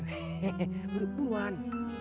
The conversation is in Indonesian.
hehehe udah buruan